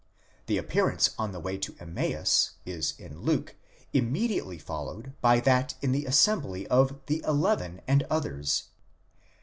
'The appearance on the way to Emmaus is in Luke immediately followed by that in the assembly of the e/even and others.